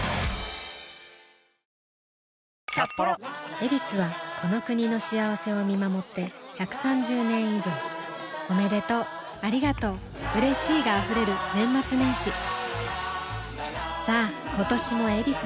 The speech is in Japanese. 「ヱビス」はこの国の幸せを見守って１３０年以上おめでとうありがとううれしいが溢れる年末年始さあ今年も「ヱビス」で